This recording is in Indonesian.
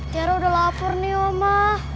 tiara udah lapar nih mama